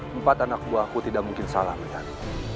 empat anak buahku tidak mungkin salah menang